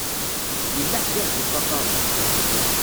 Yella ḥedd i ɣ-d-iṭṭafaṛen.